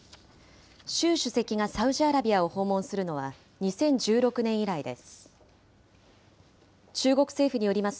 習主席がサウジアラビアを訪問するのは２０１６年以来です。